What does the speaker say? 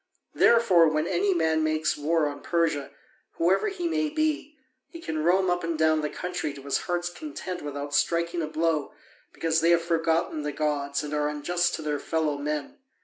Therefore, when any man makes war on Persia, whoever he may be, he can roam up and down the country to his heart's content without striking a blow, because they have forgotten the gods and are unjust to their fellow men.